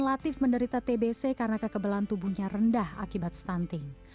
latif menderita tbc karena kekebalan tubuhnya rendah akibat stunting